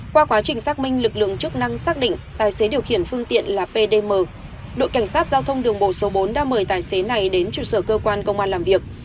qua quá trình xác minh lực lượng chức năng xác định tài xế điều khiển phương tiện là pdmm đội cảnh sát giao thông đường bộ số bốn đã mời tài xế này đến trụ sở cơ quan công an làm việc